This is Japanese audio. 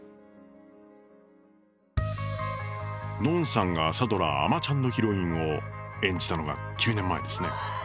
のんさんが朝ドラ「あまちゃん」のヒロインを演じたのが９年前ですね。